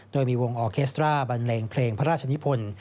โดยมีวงออเคสตราบันเลงเพลงพระราชนิพล